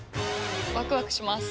ワクワクします。